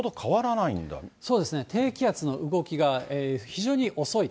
そうですね、低気圧の動きが非常に遅い。